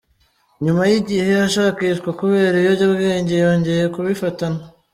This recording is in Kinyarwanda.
Nyuma y’igihe ashakishwa kubera ibiyobyabwenge yongeye kubifatanwa.